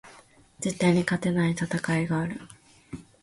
絶対に勝てない戦いがある